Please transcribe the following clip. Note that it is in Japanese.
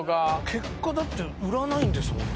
結果だって売らないんですもんね。